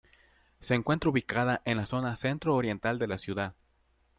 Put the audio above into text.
Se encuentra ubicada en la zona centro-oriental de la ciudad.